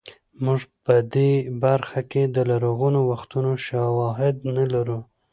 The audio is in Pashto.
موږ په دې برخه کې د لرغونو وختونو شواهد نه لرو